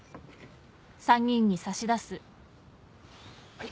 はい。